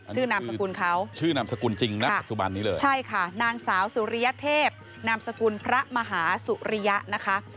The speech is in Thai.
ชื่อนามสกุลเขาค่ะใช่ค่ะนางสาวสุริยเทพนามสกุลพระมหาสุริยะนะคะ